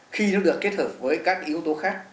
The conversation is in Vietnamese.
khi nó được kết hợp với các yếu tố khác